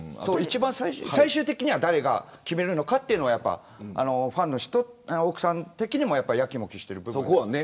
最終的には誰が決めるのかというのは奥さん的にもやきもきしている部分がある。